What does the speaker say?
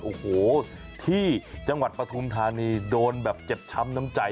โอ้โหที่จังหวัดปฐุมธานีโดนแบบเจ็บช้ำน้ำใจ